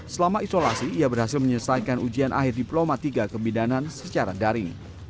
selama isolasi ia berhasil menyelesaikan ujian akhir diploma tiga kebidanan secara daring